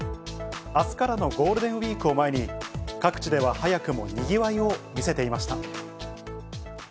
あすからのゴールデンウィークを前に、各地では早くもにぎわいを見せていました。